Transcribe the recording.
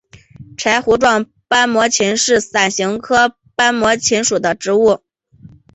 柴胡状斑膜芹是伞形科斑膜芹属的植物。